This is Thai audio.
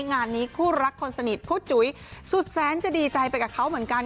งานนี้คู่รักคนสนิทผู้จุ๋ยสุดแสนจะดีใจไปกับเขาเหมือนกัน